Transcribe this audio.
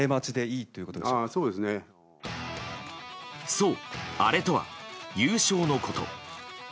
そう、アレとは優勝のこと。